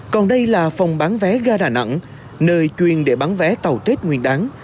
còn đây là phòng bán vé ga đà nẵng nơi chuyên để bán vé tàu tết nguyên đáng